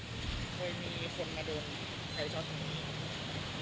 เคยมีคนมาเดินไฟชอตตรงนี้